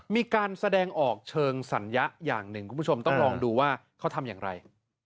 มีการแสดงออกเชิงสัญญะอย่างหนึ่งคุณผู้ชมต้องลองดูว่าเขาทำอย่างไร